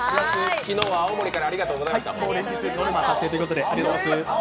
昨日は青森からありがとうございました。